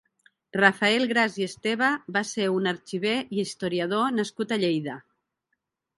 Rafael Gras i Esteva va ser un arxiver i historiador nascut a Lleida.